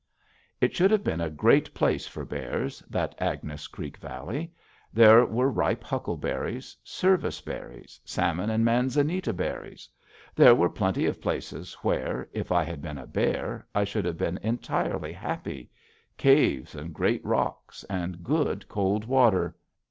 It should have been a great place for bears, that Agnes Creek Valley. There were ripe huckleberries, service berries, salmon and manzanita berries. There were plenty of places where, if I had been a bear, I should have been entirely happy caves and great rocks, and good, cold water.